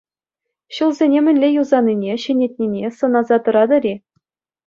Ҫулсене мӗнле юсанине, ҫӗнетнине сӑнаса тӑратӑр-и?